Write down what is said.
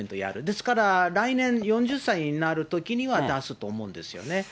ですから、来年４０歳になるときには出すと思うんですよね。